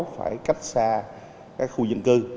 phải cách xa các khu dân cư